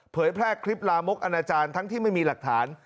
เผยแพร่คลิปลามกออทั้งที่ไม่มีหลักฐาน